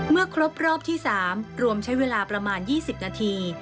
เมื่อครบที่๓รวมใช้วิราคมประมาณ๒๐นาที